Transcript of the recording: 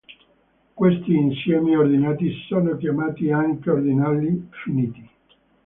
Questi insiemi ordinati sono chiamati anche ordinali finiti.